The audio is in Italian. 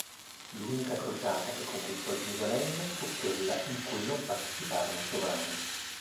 L'unica crociata che conquistò Gerusalemme, fu quella in cui non parteciparono sovrani.